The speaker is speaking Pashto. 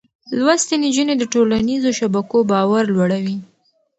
لوستې نجونې د ټولنيزو شبکو باور لوړوي.